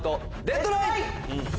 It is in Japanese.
デッドライン！